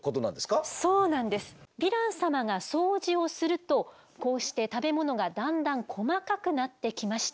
ヴィラン様が掃除をするとこうして食べ物がだんだん細かくなってきました。